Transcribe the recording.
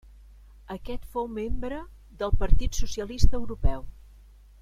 Aquest fou membre del Partit Socialista Europeu.